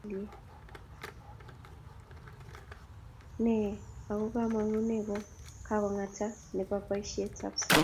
Nae ak kamong'unee ko kongta ne be sa kalyee.